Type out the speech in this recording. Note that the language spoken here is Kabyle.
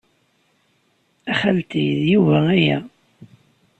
A xalti, d Yuba aya.